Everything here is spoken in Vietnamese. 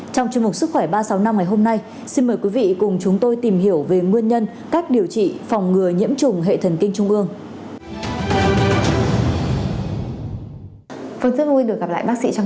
trong chương mục sức khỏe ba trăm sáu mươi năm ngày hôm nay xin mời quý vị cùng chúng tôi tìm hiểu về nguyên nhân cách điều trị phòng ngừa nhiễm trùng hệ thần kinh trung ương